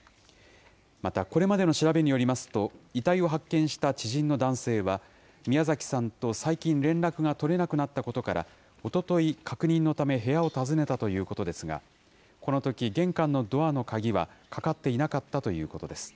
またこれまでの調べによりますと、遺体を発見した知人の男性は、宮崎さんと最近、連絡が取れなくなったことから、おととい、確認のため部屋を訪ねたということですが、このとき、玄関のドアの鍵はかかっていなかったということです。